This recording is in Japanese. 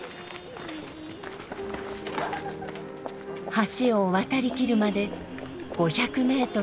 橋を渡りきるまで５００メートルの道のり。